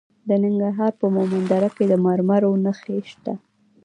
د ننګرهار په مومند دره کې د مرمرو نښې شته.